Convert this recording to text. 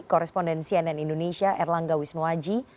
korresponden cnn indonesia erlangga wisnuwaji